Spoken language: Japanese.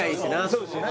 そうですね